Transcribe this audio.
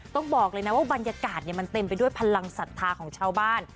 ต้องบอกเลยนะว่าบรรยากาศมันเต็มไปด้วยพลังศรัทธาของชาวบ้าน